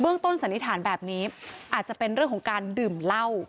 เบื้องต้นสนิทานแบบนี้อาจจะเป็นเรื่องของการดื่มเล่า